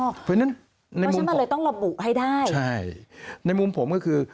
เพราะฉะนั้นมันเลยต้องระบุให้ได้ใช่ในมุมผมก็คือ